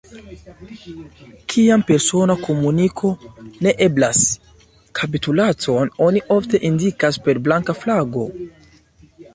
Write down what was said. Kiam persona komuniko ne eblas, kapitulacon oni ofte indikas per blanka flago.